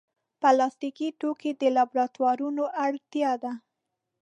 پلاستيکي توکي د لابراتوارونو اړتیا ده.